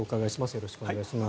よろしくお願いします。